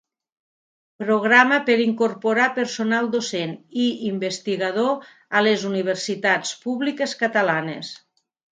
Programa per incorporar personal docent i investigador a les universitats públiques catalanes.